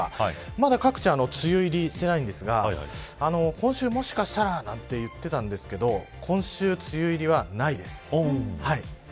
まだ各地、梅雨入りしてないんですが今週もしかしたらなんて言ってたんですけど今週梅雨入りはないです。